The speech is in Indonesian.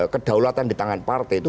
kedaulatan di tangan partai itu